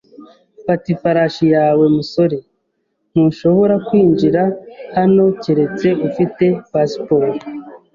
Fata ifarashi yawe, musore. Ntushobora kwinjira hano keretse ufite pasiporo.